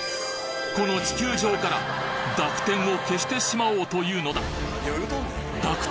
この地球上から濁点を消してしまおうというのだ濁点